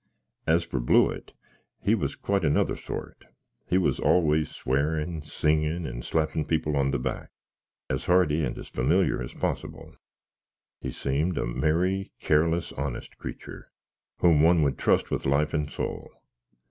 As for Blewitt, he was quite of another sort. He was always swearin, singin, and slappin people on the back, as hearty and as familiar as posbill. He seemed a merry, careless, honest cretur, whom one would trust with life and soul.